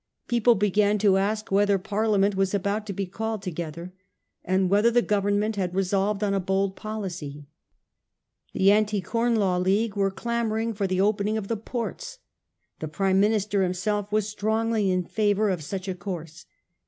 People began to ask whether Parliament was about to be called to gether, and whether the Government had resolved on a bold policy. The Anti Corn Law League were clamouring for the opening of the ports. The Prime Minister himself was strongly in favour of such a course.